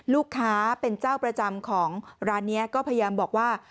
ลูกค้าเป็นเจ้าประจำของร้านนี้ก็พยายามบอกว่า